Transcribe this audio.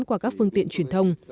qua các phương tiện truyền thông